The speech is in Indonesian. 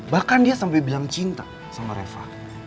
bahkan dia sampai bilang cinta sama reva